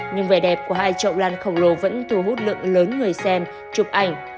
nhưng vẻ đẹp của hai chậu lan khổng lồ vẫn thu hút lượng lớn người xem chụp ảnh